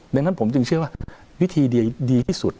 ดังนั้นผมจึงเชื่อว่าวิธีเดียวดีที่สุด